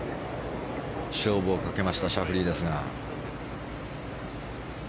勝負をかけましたシャフリーですが。